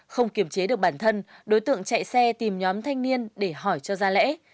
không kiểm chế được bản thân đối tượng chạy xe tìm nhóm thanh niên để hỏi cho ra lễ